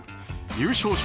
優勝